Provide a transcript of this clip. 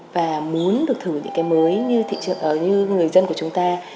và muốn được thử những cái mới như người dân của chúng ta